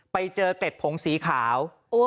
ไปเจอเกร็ดผงสีขาว